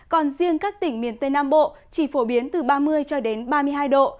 còn riêng các tỉnh miền tây nam bộ chỉ phổ biến từ ba mươi cho đến ba mươi hai độ